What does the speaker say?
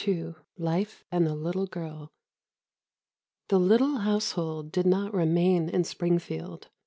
II LIFE AND A LITTLE GIRL The little household did not remain in Springfield.